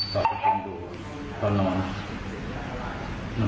ต่อทะครดูต่อนอน